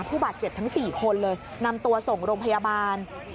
ผู้บาดเจ็บทั้ง๔คนเลยนำตัวส่งโรงพยาบาล